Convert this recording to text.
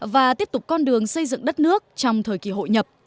và tiếp tục con đường xây dựng đất nước trong thời kỳ hội nhập